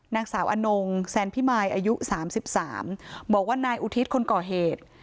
นางสาวอนงแซนพิมายอายุ๓๓บอกว่านายอุทิศคนก่อเหตุ